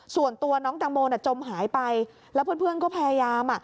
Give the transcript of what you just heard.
ส่วนตัวน้องแตงโมจมหายไปแล้วเพื่อนก็พยายาม